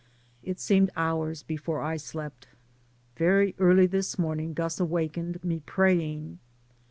It seemed hours before I slept. Very early this morn ing Gus awakened me praying.